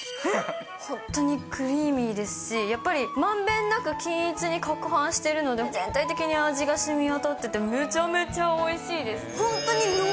本当にクリーミーですし、やっぱりまんべんなく均一にかくはんしてるので、全体的に味がしみわたってて、めちゃめちゃおいしいです。